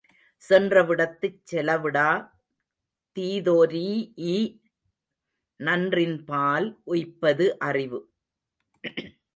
சென்றவிடத்துச் செலவிடா தீதொரீஇ நன்றின்பால் உய்ப்பது அறிவு.